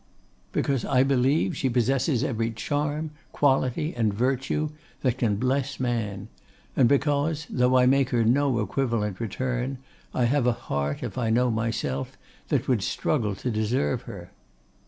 'Because I believe she possesses every charm, quality, and virtue, that can bless man; and because, though I can make her no equivalent return, I have a heart, if I know myself, that would struggle to deserve her.